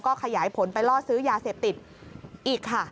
ก็ขยายผลไปล่อซื้อยาเสพติดอีกค่ะ